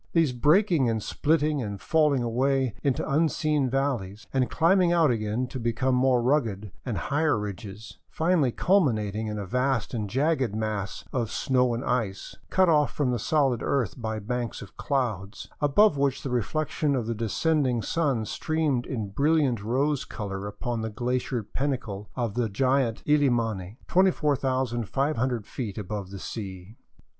These, breaking and splitting and falling away into unseen valleys, and climbing out again to become more rugged and higher ridges, finally culminated in a vast and jagged mass of snow and ice, cut off from the solid earth by banks of clouds, above which the reflection of the descending sun streamed ♦in brilliant rose color upon the glaciered pinnacle of giant Illimani, 24,500 feet above the sea.